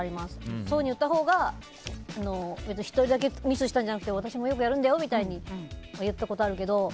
そういうふうに言ったほうが１人だけミスしたんじゃなくて私もよくやるんだよみたいに言ったことはあるけど。